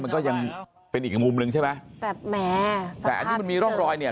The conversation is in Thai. มันก็ยังเป็นอีกมุมหนึ่งใช่ไหมแต่แหมแต่อันนี้มันมีร่องรอยเนี่ย